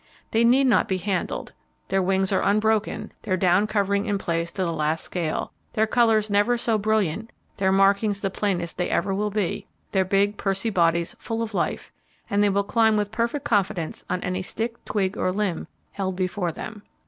They need not be handled; their wings are unbroken; their down covering in place to the last scale; their colours never so brilliant; their markings the plainest they ever will be; their big pursy bodies full of life; and they will climb with perfect confidence on any stick, twig, or limb held before them.